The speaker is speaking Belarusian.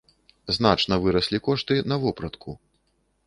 Значна выраслі кошты на вопратку.